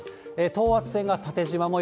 等圧線が縦じま模様。